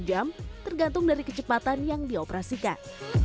dua jam tergantung dari kecepatan yang dioperasikan